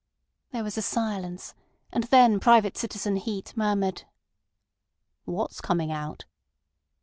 There was a silence, and then Private Citizen Heat murmured: "What's coming out?"